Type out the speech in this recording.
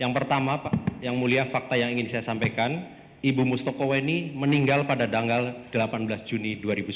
yang pertama pak yang mulia fakta yang ingin saya sampaikan ibu mustoko weni meninggal pada tanggal delapan belas juni dua ribu sembilan belas